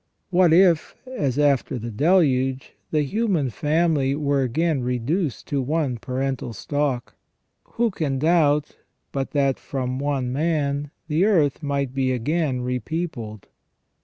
What if, as after the Deluge, the human family were again reduced to one parental stock? Who can doubt but that from one man the earth might be again repeopled?